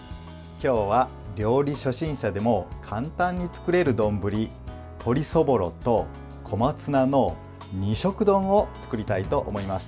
今日は料理初心者でも簡単に作れる丼鶏そぼろと小松菜の二色丼を作りたいと思います。